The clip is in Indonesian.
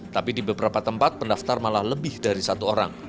tapi di beberapa tempat pendaftar malah lebih dari satu orang